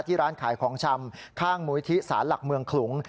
ที่ร้านขายของชำข้างมุมวิทธิศาลหลักเมืองขลุง